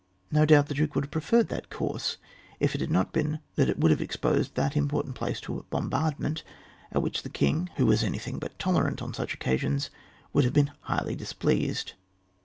No doubt the Duke would have preferred that course if it had not been that it would have exposed that important place to a bombardment, at which the king, who was anything but tolerant on such occasions, would have been highly dis pleased.